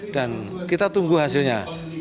dan kita tunggu hasilnya